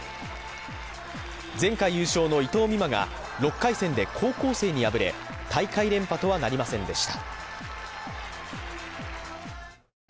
前回優勝の伊藤美誠が６回戦で高校生に敗れ大会連覇とはなりませんでした。